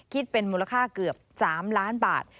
คิดเป็นมูลค่าเกือบ๓ล้านบาท